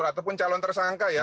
ataupun calon tersangka ya